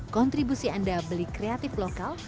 kontribusi anda beli kreatif lokal